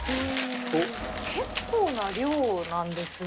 結構な量なんですね。